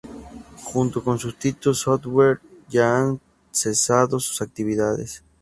Junto con Titus Software ya han cesado sus actividades.